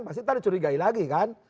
pasti ntar dicurigai lagi kan